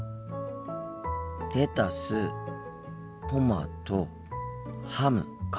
レタストマトハムか。